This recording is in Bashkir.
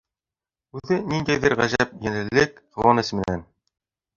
Үҙе ниндәйҙер ғәжәп ҙур йәнлелек, ҡыуаныс менән: